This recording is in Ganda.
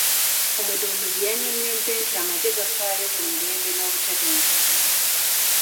Omudduumizi yannyonyodde nti amagye gafaayo ku mirembe n'obutebenkevu.